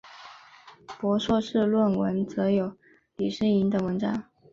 博硕士论文则有李诗莹等文章。